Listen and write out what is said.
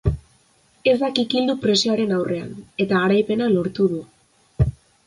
Ez da kikildu presioaren aurrean, eta garaipena lortu du.